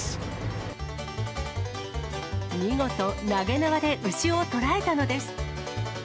見事、投げ縄で牛を捕らえたのです。